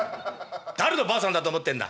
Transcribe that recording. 誰のばあさんだと思ってんだ」。